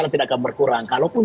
tidak akan berkurang kalaupun